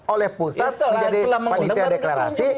oleh pusat menjadi panitia deklarasi